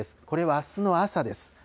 これはあすの朝です。